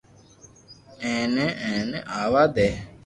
ايني ايني آوا دي